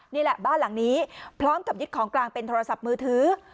นี่แหละบ้านหลังนี้พร้อมกับยึดของกลางเป็นโทรศัพท์มือถือ